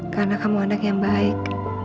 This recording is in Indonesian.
karena kamu anak yang baik